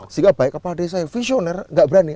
sehingga banyak kapal desa yang visioner tidak berani